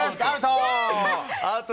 アウト！